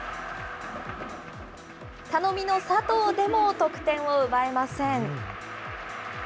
頼みの佐藤でも得点を奪えません。